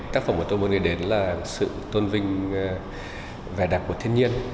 tác phẩm mà tôi muốn gửi đến là sự tôn vinh vẻ đặc của thiên nhiên